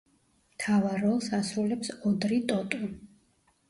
მთავარ როლს ასრულებს ოდრი ტოტუ.